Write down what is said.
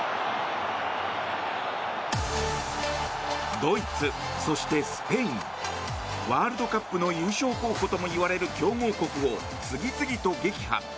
ドイツ、そしてスペインワールドカップの優勝候補ともいわれる強豪国を次々と撃破。